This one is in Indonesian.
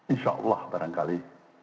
insya allah barangkali